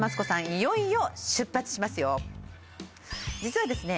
いよいよ出発しますよ実はですね